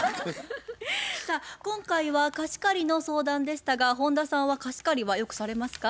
さあ今回は貸し借りの相談でしたが本田さんは貸し借りはよくされますか？